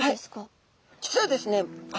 実はですね